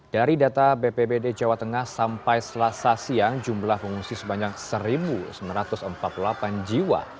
dari data bpbd jawa tengah sampai selasa siang jumlah pengungsi sebanyak satu sembilan ratus empat puluh delapan jiwa